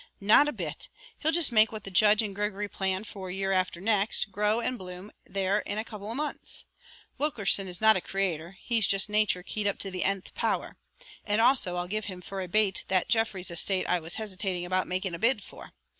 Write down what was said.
"Not a bit he'll just make what the judge and Gregory plan for year after next, grow and bloom there in a couple of months. Wilkerson is not a creator, he's just nature keyed up to the _n_th power. And also I'll give him for a bait the Jeffries estate I was hesitating about making a bid for.